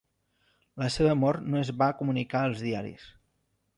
La seva mort no es va comunicar als diaris.